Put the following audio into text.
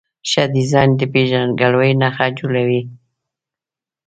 ښه ډیزاین د پېژندګلوۍ نښه جوړوي.